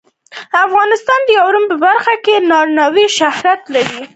افغانستان د یورانیم په برخه کې نړیوال شهرت لري.